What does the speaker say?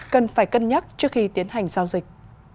cần phải cân nhắc trước khi tiến hành giao dịch